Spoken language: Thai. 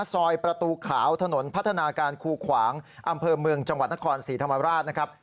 ซอยประตูขาวถนนพัฒนาการคูขวางอำเภอเมืองจังหวัดนครศรีธรรมราชนะครับ